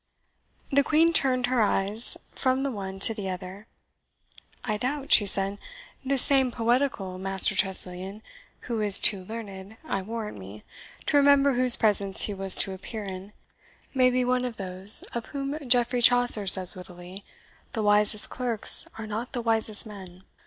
The Queen turned her eyes from the one to the other. "I doubt," she said, "this same poetical Master Tressilian, who is too learned, I warrant me, to remember whose presence he was to appear in, may be one of those of whom Geoffrey Chaucer says wittily, the wisest clerks are not the wisest men.